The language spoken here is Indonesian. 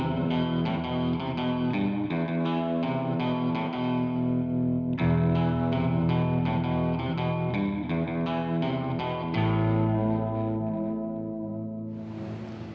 dia sudah berusaha untuk mencari orang lain